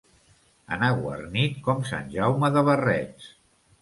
Anar guarnit com sant Jaume de Barrets.